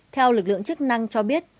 theo lực lượng chức năng cho biết